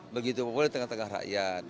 begitu populer di tengah tengah rakyat